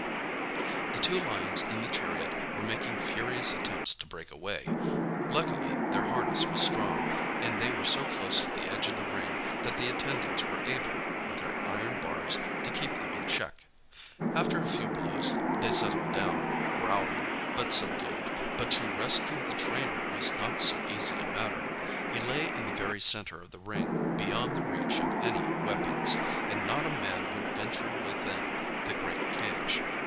The two lions in the chariot were making furious attempts to break away. Luckily their harness was strong, and they were so close to the edge of the ring that the attendants were able, with their iron bars, to keep them in check. After a few blows they settled down, growling, but subdued. But to rescue the trainer was not so easy a matter. He lay in the very centre of the ring, beyond the reach of any weapons; and not a man would venture within the great cage.